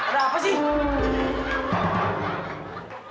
ada apa sih